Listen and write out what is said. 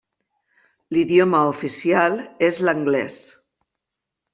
L'idioma oficial és l'anglès.